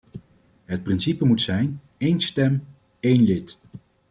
Het principe moet zijn: één stem - één lid.